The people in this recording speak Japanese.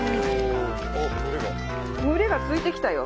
群れがついてきたよ。